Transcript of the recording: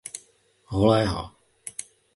Holého.